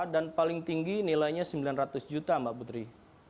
dan paling tinggi nilainya sembilan ratus juta mbak putri